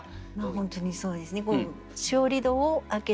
本当にそうですね。